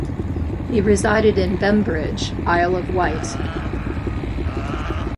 He resided in Bembridge, Isle of Wight.